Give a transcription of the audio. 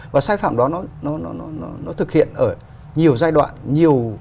và sai phạm đó thực hiện ở nhiều giai đoạn